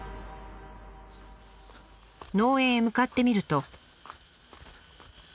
農園へ向かってみると。